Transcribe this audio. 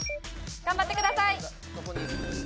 頑張ってください。